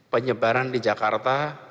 penyebaran di jakarta